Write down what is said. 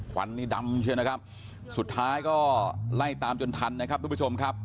ควันนี่ดำใช่ไหมครับสุดท้ายก็ไล่ตามจนทันนะครับทุกผู้ชมครับ